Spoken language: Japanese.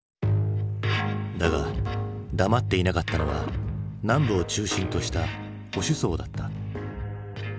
だが黙っていなかったのは南部を中心とした保守層だった。